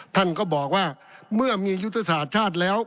ท่านก็บอกว่าเมื่อมียุตสาธิชาติแล้ว